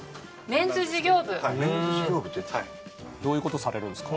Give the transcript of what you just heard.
メンズ事業部ってどういう事されるんですか？